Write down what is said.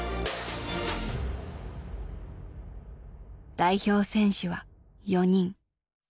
代表選手は４人。